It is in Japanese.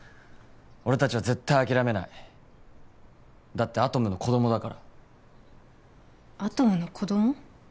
俺達は絶対諦めないだってアトムの子供だからアトムの子供？